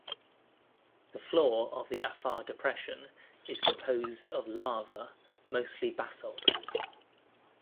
The floor of the Afar Depression is composed of lava, mostly basalt.